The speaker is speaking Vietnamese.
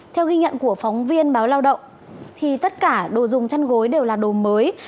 theo ghi nhận của phóng viên báo lao động thì tất cả đồ dùng chăn gối đều là đồ mới